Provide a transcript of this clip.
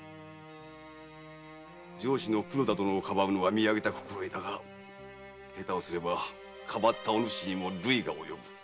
上司の黒田殿をかばうのは見上げた心得だが下手をすればかばったおぬしにも累が及ぶ。